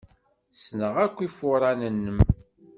Ssneɣ akk ufuren-nnem.